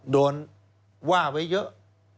โดนว่าไว้เยอะ